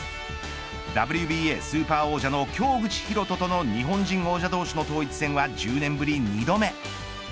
ＷＢＡスーパー王者の京口紘人との日本人王者同士の統一戦は１０年ぶり２度目。